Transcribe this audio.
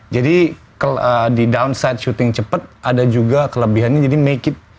jadi di downside shooting cepet ada juga kelebihannya jadi make it